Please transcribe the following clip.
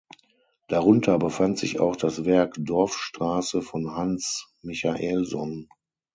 Darunter befand sich auch das Werk "Dorfstrasse" von Hans Michaelson.